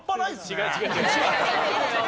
違う違う。